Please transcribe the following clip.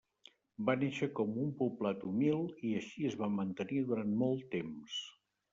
Va néixer com un poblat humil i així es va mantenir durant molt temps.